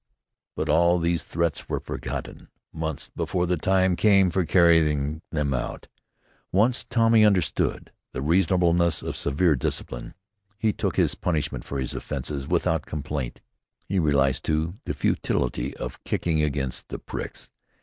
But all these threats were forgotten months before the time came for carrying them out. Once Tommy understood the reasonableness of severe discipline, he took his punishment for his offenses without complaint. He realized, too, the futility of kicking against the pricks.